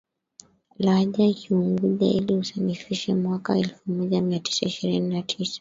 lahaja ya Kiunguja ili isanifishwe mwaka elfumoja miatisa ishirini na tisa